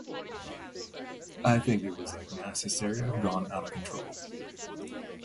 I think it was like mass hysteria gone out of control.